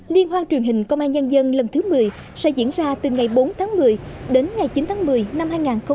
liên hoan truyền hình công an nhân dân lần thứ một mươi sẽ diễn ra từ ngày bốn tháng một mươi đến ngày chín tháng một mươi năm hai nghìn hai mươi